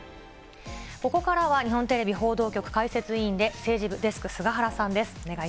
ここからは日本テレビ報道局解説委員で、政治部デスク、菅原さん